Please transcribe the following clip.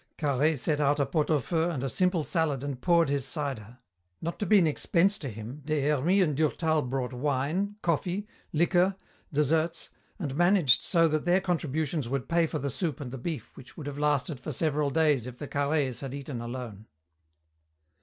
Carhaix set out a pot au feu and a simple salad and poured his cider. Not to be an expense to him, Des Hermies and Durtal brought wine, coffee, liquor, desserts, and managed so that their contributions would pay for the soup and the beef which would have lasted for several days if the Carhaixes had eaten alone.